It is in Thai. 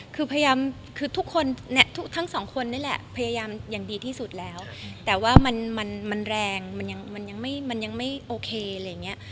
คือพยายามคือทุกคนทั้งสองคนนี่แหละพยายามอย่างดีที่สุดแล้วแต่ว่ามันมันแรงมันยังมันยังไม่โอเคอะไรอย่างนี้